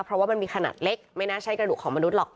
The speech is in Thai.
เพราะว่ามันมีขนาดเล็กไม่น่าใช่กระดูกของมนุษย์หรอก